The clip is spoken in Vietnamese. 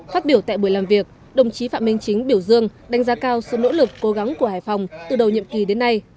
phát biểu tại buổi làm việc đồng chí phạm minh chính biểu dương đánh giá cao sự nỗ lực cố gắng của hải phòng từ đầu nhiệm kỳ đến nay